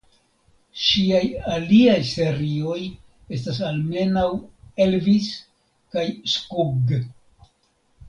Ŝiaj aliaj serioj estas almenaŭ "Elvis" kaj "Skugg".